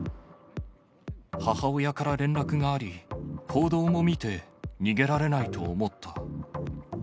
母親から連絡があり、報道も見て、逃げられないと思った。